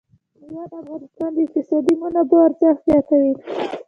مېوې د افغانستان د اقتصادي منابعو ارزښت زیاتوي.